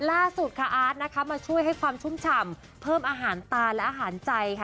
ล่าสุดค่ะอาร์ตนะคะมาช่วยให้ความชุ่มฉ่ำเพิ่มอาหารตาและอาหารใจค่ะ